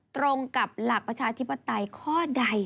ตรงกับหลักประชาธิปไตยข้อใด